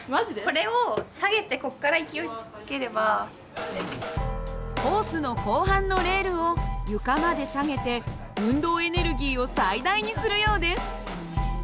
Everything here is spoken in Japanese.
まじで？コースの後半のレールを床まで下げて運動エネルギーを最大にするようです。